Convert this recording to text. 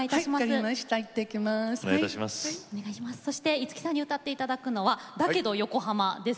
五木さんに歌っていただくのは「だけどＹＯＫＯＨＡＭＡ」です。